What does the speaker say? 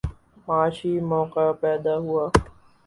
معاشی مواقع پیدا ہوں۔